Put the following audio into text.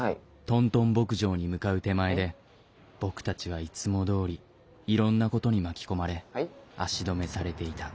「トントン牧場」に向かう手前で僕たちはいつもどおりいろんなことに巻き込まれ足止めされていた。